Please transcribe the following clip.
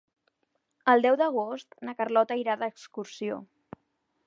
El deu d'agost na Carlota irà d'excursió.